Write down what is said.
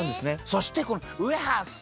そしてこのウエハース。